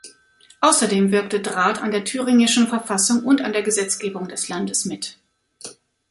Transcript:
Außerdem wirkte Drath an der thüringischen Verfassung und an der Gesetzgebung des Landes mit.